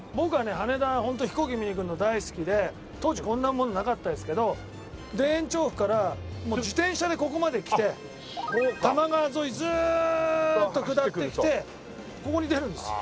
羽田はホント飛行機見に来るの大好きで当時こんなものなかったですけど田園調布から自転車でここまで来て多摩川沿いずっと下ってきてここに出るんです。